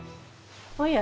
おや。